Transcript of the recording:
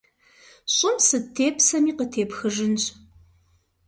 Щӏым сыт тепсэми, къытепхыжынщ.